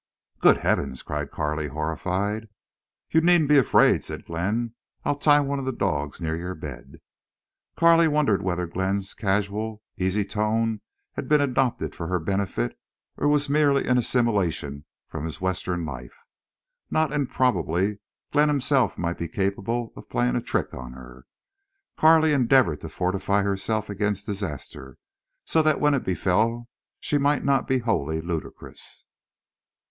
"Good heavens!" cried Carley, horrified. "You needn't be afraid," said Glenn. "I'll tie one of the dogs near your bed." Carley wondered whether Glenn's casual, easy tone had been adopted for her benefit or was merely an assimilation from this Western life. Not improbably Glenn himself might be capable of playing a trick on her. Carley endeavored to fortify herself against disaster, so that when it befell she might not be wholly ludicrous.